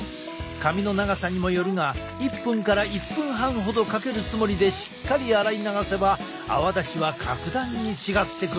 髪の長さにもよるが１分から１分半ほどかけるつもりでしっかり洗い流せば泡立ちは格段に違ってくるぞ。